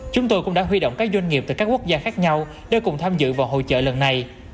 chúng tôi cũng đã huy động các doanh nghiệp từ các quốc gia khác nhau để cùng tham dự vào hội trợ lần này